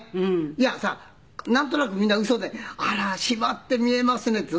いやさなんとなくみんなウソであら締まって見えますねって。